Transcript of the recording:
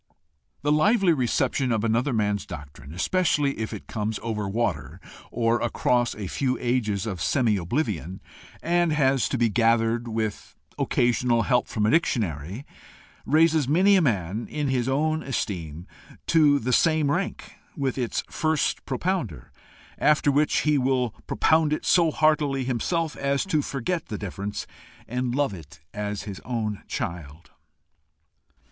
The lively reception of another man's doctrine, especially if it comes over water or across a few ages of semi oblivion, and has to be gathered with occasional help from a dictionary, raises many a man, in his own esteem, to the same rank with its first propounder; after which he will propound it so heartily himself as to forget the difference, and love it as his own child.